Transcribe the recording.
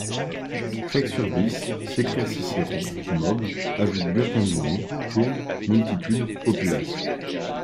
Fex urbis, s’écrie Cicéron ; mob, ajoute Burke indigné ; tourbe, multitude, populace.